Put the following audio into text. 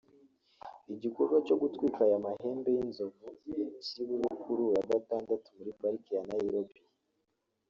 Igikorwa cyo gutwika aya mahembe y’inzovu kiri bube kuri uyu wa Gatandatu muri Pariki ya Nairobi